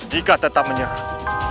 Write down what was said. jika tetap menyerang